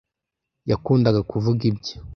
Yakundaga kuvuga ibye.